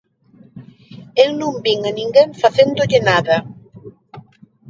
Eu non vin a ninguén facéndolle nada.